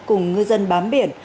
cùng ngư dân bám biển